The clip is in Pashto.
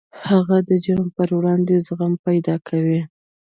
هغه د جرم پر وړاندې زغم پیدا کوي